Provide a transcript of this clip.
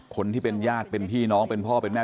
คนที่เป็นญาติเป็นพี่น้องเป็นพ่อเป็นแม่